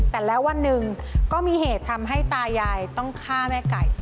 แต่แล้ววันหนึ่งก็มีเหตุทำให้ตายายต้องฆ่าแม่ไก่